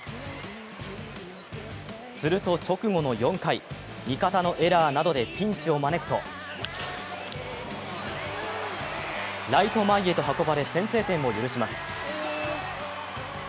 すると直後の４回、味方のエラーなどでピンチを招くとライト前へと運ばれ、先制点を許します。